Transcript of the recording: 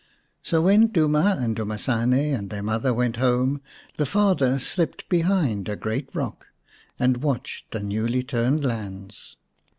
So when Duma and Dumasane and their mother went home the father slipped behind a great rock, and watched the newly turned lands.